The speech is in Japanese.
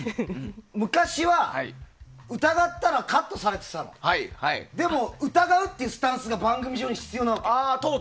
昔は、疑ったらカットされてたんだけど疑うというスタンスが番組上、必要なわけ。